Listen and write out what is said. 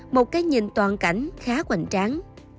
một cái nhìn toàn cảnh khá hoành tráng